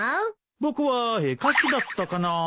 僕は絵描きだったかな。